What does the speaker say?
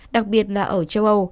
đặc biệt là ở châu âu